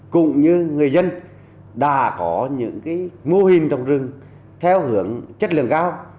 cũng như người dân đã có những mô hình trồng rừng theo hướng chất lượng cao